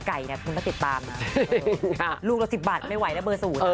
ไข่ไก่นะคุณต้องติดตาม